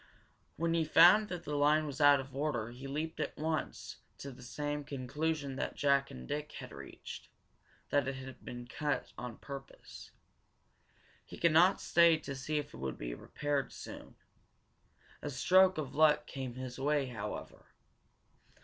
When he found that the line was out of order he leaped at once to the same conclusion that Jack and Dick had reached that it had been cut on purpose. He could not stay to see if it would be repaired soon. A stroke of luck came his way, however.